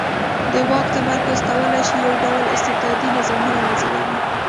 د واک تمرکز کولای شي یو ډ ول استبدادي نظام وزېږوي.